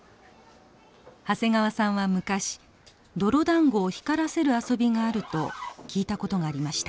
長谷川さんは昔泥だんごを光らせる遊びがあると聞いたことがありました。